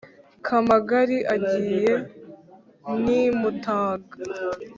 kamagari agiye n’imutaga